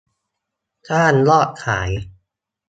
สร้างยอดขาย